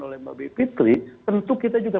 oleh mbak bipitri tentu kita juga